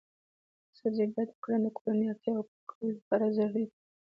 د سبزیجاتو کرنه د کورنیو اړتیاوو پوره کولو لپاره ضروري ده.